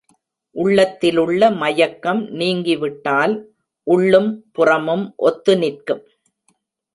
உள்ளத்திலுள்ள மயக்கம் நீங்கிவிட்டால் உள்ளும் புறம்பும் ஒத்து நிற்கும்.